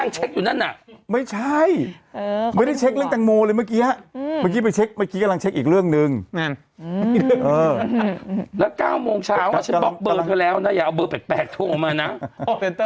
จะได้ไปจำท่าทางน้องเขาเวลามาออก